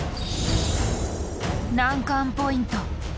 難関ポイント。